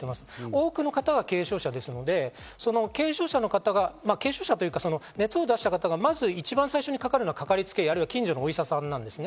多くの方は軽症者ですので、その軽症者というか、熱を出した方がまず最初にかかるのがかかりつけ医、あるいは近所のお医者さんです。